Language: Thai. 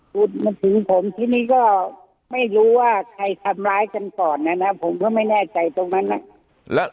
พูดถึงผมทีนี้ก็ไม่รู้ว่าใครทำร้ายกันก่อนนะนะผมก็ไม่แน่ใจตรงนั้นน่ะ